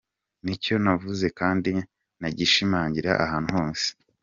Ni icyo navuze kandi nagishimangira ahantu hose.”